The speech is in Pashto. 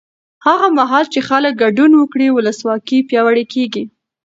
هغه مهال چې خلک ګډون وکړي، ولسواکي پیاوړې کېږي.